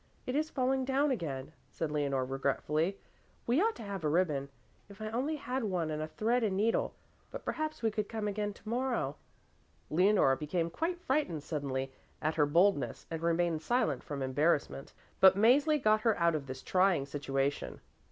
It is falling down again," said Leonore regretfully. "We ought to have a ribbon. If I only had one and a thread and needle! but perhaps we could come again to morrow " Leonore became quite frightened suddenly at her boldness and remained silent from embarrassment. But Mäzli got her out of this trying situation.